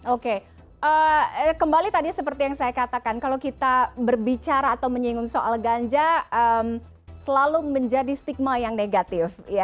oke kembali tadi seperti yang saya katakan kalau kita berbicara atau menyinggung soal ganja selalu menjadi stigma yang negatif